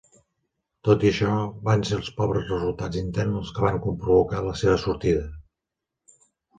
Tot i això, van ser els pobres resultats interns els que van provocar la seva sortida.